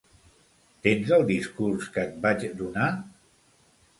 Tens el discurs que et vaig donar?